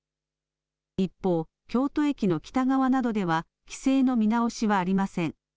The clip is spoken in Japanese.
一方、京都駅の北側などでは規制の見直しはありません。